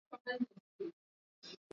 Kifo ni kibaya